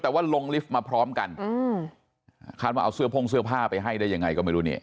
แต่ว่าลงลิฟต์มาพร้อมกันอืมคาดว่าเอาเสื้อโพ่งเสื้อผ้าไปให้ได้ยังไงก็ไม่รู้นี่